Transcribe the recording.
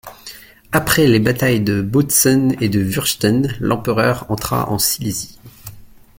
Après les batailles de Bautzen et de Wurtchen, l'empereur entra en Silésie.